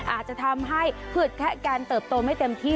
อาจจะทำให้ผืดแค่การเติบโตไม่เต็มที่